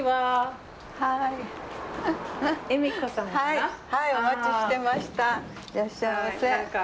いらっしゃいませ。